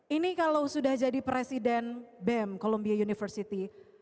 ini kalau sudah jadi presiden bem columbia university